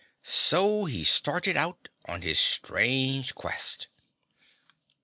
So he started out on his strange quest.